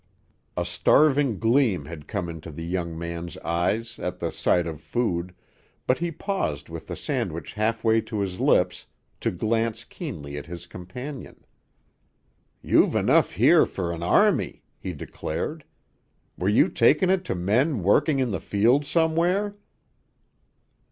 A starving gleam had come into the young man's eyes at the sight of food, but he paused with the sandwich half way to his lips to glance keenly at his companion. "You've enough here for an army," he declared. "Were you taking it to men working in the fields somewhere?"